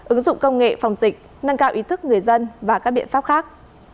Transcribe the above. ứng dụng công nghệ phòng dịch nâng cao ý thức người dân và các biện pháp khác